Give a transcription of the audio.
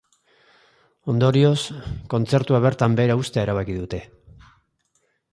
Ondorioz, kontzertua bertan behera uztea erabaki dute.